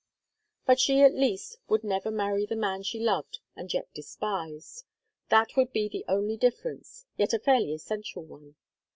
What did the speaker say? But she at least would never marry the man she loved and yet despised. That would be the only difference, yet a fairly essential one.